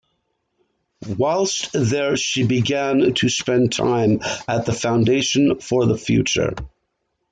Whilst there she began to spend time at the Foundation for the Future.